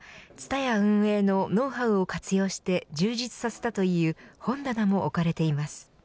ＴＳＵＴＡＹＡ運営のノウハウを活用して充実させたという本棚も置かれています。